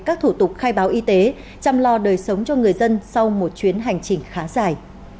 các thủ tục khai báo y tế chăm lo đời sống cho người dân sau một chuyến hành trình khá dài